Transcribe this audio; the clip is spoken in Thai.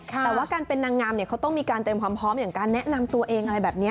แต่ว่าการเป็นนางงามเขาต้องมีการเตรียมความพร้อมอย่างการแนะนำตัวเองอะไรแบบนี้